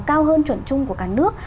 cao hơn chuẩn chung của cả nước